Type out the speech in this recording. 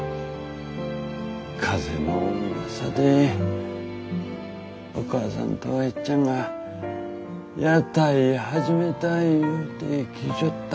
風のうわさでお母さんとえっちゃんが屋台始めたいうて聞いちょった。